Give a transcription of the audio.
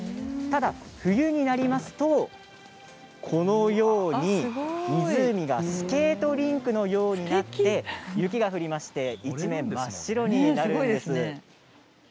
ただ冬になりますと、このように湖がスケートリンクのようになって雪が降りまして一面、真っ白になります。